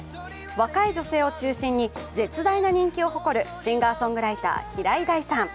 若い女性を中心に絶大な人気を誇るシンガーソングライター・平井大さん。